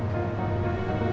di luar itu